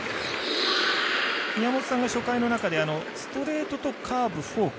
宮本さんが初回の中でストレートとカーブ、フォーク